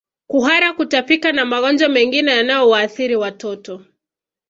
Kuhara kutapika na magonjwa mengine yanayowaathiri watoto